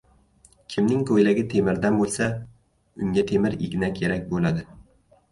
• Kimning ko‘ylagi temirdan bo‘lsa, unga temir igna kerak bo‘ladi.